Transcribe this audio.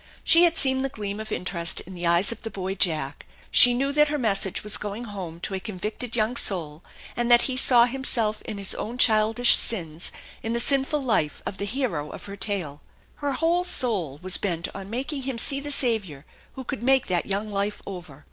She had seen the gleam of interest in the eyes of the boy Jack; she knew that her message was going home to a convicted young soul, and that he saw himself and his own childish sins in the sinful life of the hero of her tale. Her whole soul was bent on making him see the Saviour who could make that young life over.